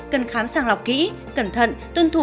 cần khám sàng lọc kỹ cẩn thận tuân thủ